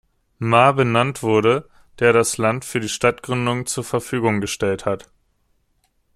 Marr" benannt wurde, der das Land für die Stadtgründung zu Verfügung gestellt hat.